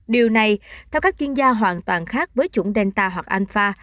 điều này theo các chuyên gia hoàn toàn khác với chủng delta hoặc anfa